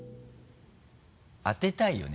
当てたいよね。